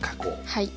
はい。